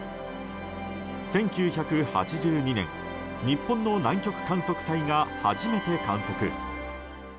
１９８２年、日本の南極観測隊が初めて観測。